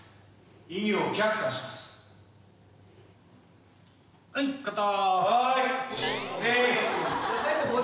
・異議を却下します・・はいカット！